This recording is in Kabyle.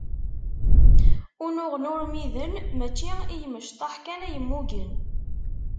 Unuɣen urmiden mačči i imecṭaḥ kan ay mmugen.